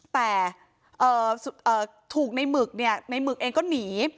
แต่เอ่อเอ่อถูกในหมึกเนี่ยในหมึกเองก็หนี